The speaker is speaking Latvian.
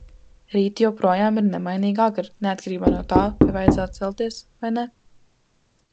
Rīti joprojām ir nemainīgi agri, neatkarībā no tā, vai vajadzētu celties, vai ne.